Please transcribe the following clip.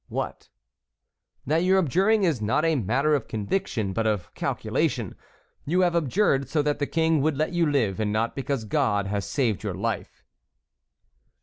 "What?" "That your abjuring is not a matter of conviction, but of calculation. You have abjured so that the King would let you live, and not because God has saved your life."